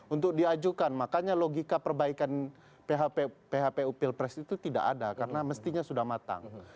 untuk diajukan makanya logika perbaikan phpu pilpres itu tidak ada karena mestinya sudah matang